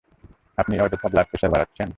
আপনি অযথা blood pressure বাড়াচ্ছেন?